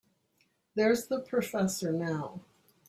There's the professor now.